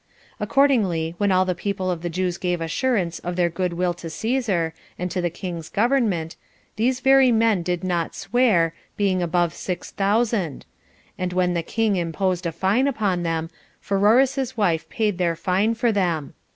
Accordingly, when all the people of the Jews gave assurance of their good will to Cæsar, and to the king's government, these very men did not swear, being above six thousand; and when the king imposed a fine upon them, Pheroras's wife paid their fine for them.